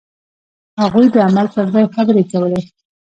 هغوی د عمل پر ځای خبرې کولې.